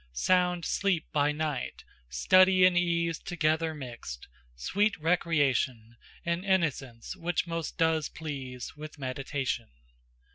Sound sleep by night; study and ease Together mixed; sweet recreation, And innocence, which most does please With meditation.